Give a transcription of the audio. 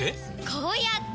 こうやって！